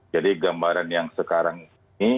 jadi gambaran yang sekarang ini